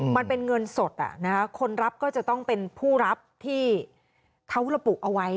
มันเป็นเงินสดคนรับก็จะต้องเป็นผู้รับที่เขาระบุเอาไว้